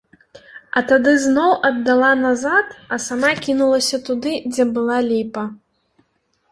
А тады зноў аддала назад, а сама кінулася туды, дзе была ліпа.